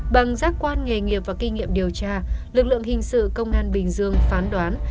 bằng giác quan nghề nghiệp và kinh nghiệm điều tra lực lượng hình sự công an bình dương phán đoán